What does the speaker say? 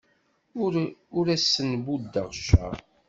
Ur asen-buddeɣ cceṛ.